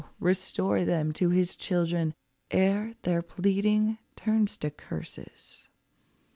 restore them to His children ere their pleading turns to curses.